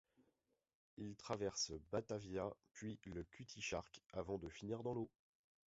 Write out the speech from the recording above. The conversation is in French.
Ils traversent Batavia, puis le Cutty Sark avant de finir dans l'eau.